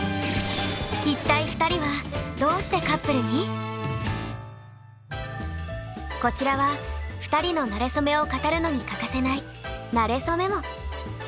一体２人はこちらは２人のなれそめを語るのに欠かせない「なせそメモ」。